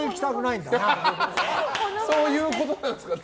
そういうことなんですかね。